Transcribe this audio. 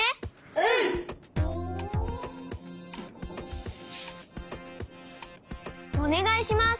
うん！おねがいします！